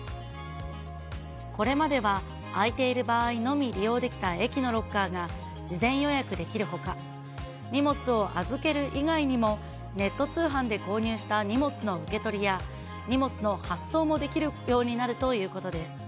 これまでは、空いている場合のみ利用できた駅のロッカーが事前予約できるほか、荷物を預ける以外にも、ネット通販で購入した荷物の受け取りや、荷物の発送もできるようになるということです。